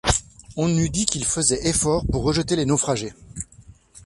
On eût dit qu’il faisait effort pour rejeter les naufragés.